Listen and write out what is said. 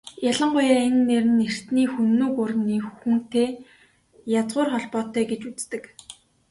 Ялангуяа энэ нэр нь эртний Хүннү гүрний "Хүн"-тэй язгуур холбоотой гэж үздэг.